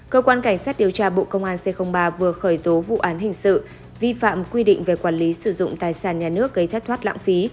cơ quan cảnh sát điều tra bộ công an c ba vừa khởi tố vụ án hình sự vi phạm quy định về quản lý sử dụng tài sản nhà nước gây thất thoát lãng phí